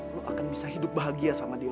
lo akan bisa hidup bahagia sama dia